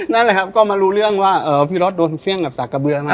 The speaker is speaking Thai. นั่นแหละครับก็มารู้เรื่องว่าพี่รถโดนเฟี่ยงกับสากกระเบือมา